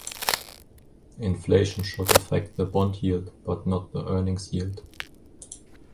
Inflation should affect the bond yield, but not the earnings yield.